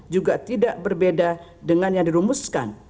juga tidak berbeda dengan yang dirumuskan